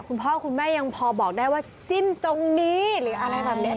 คุณพ่อคุณแม่ยังพอบอกได้ว่าจิ้นตรงนี้หรืออะไรแบบนี้